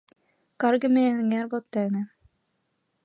Каргыме эҥер воктене